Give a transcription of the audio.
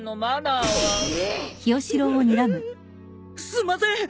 すんません！